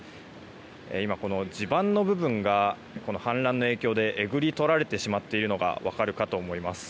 今、地盤の部分が氾濫の影響でえぐり取られてしまっているのが分かるかと思います。